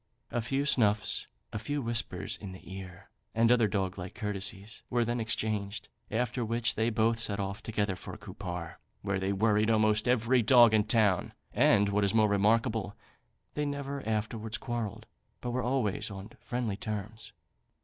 A few snuffs, a few whispers in the ear, and other dog like courtesies, were then exchanged; after which they both set off together for Cupar, where they worried almost every dog in the town; and, what is more remarkable, they never afterwards quarrelled, but were always on friendly terms."